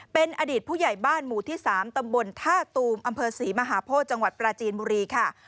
เป็นอดีตผู้ใหญ่บ้านหมู่ที่๓ตำบลท่าตูมอำเภอศรีมหาโพธิจังหวัดปราจีนบุรีค่ะ